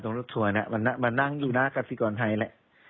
ตรงรถถัวน่ะมันนั่งอยู่หน้ากาศิกรไทยแหละ